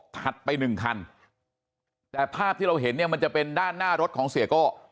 ไปหนึ่งคันแต่ภาพที่เราเห็นเนี่ยมันจะเป็นด้านหน้ารถของเสียโก้